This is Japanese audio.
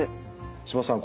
柴田さん